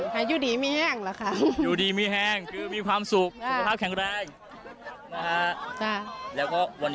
ให้อยู่ดีมีแห้งละครับ